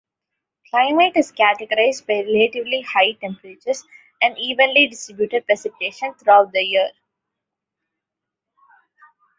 Climate is characterised by relatively high temperatures and evenly distributed precipitation throughout the year.